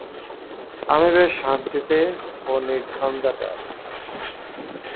আমি বেশ শান্তিতে ও নির্ঝঞ্ঝাটে আছি।